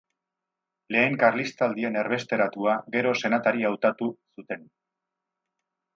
Lehen Karlistaldian erbesteratua, gero senatari hautatu zuten.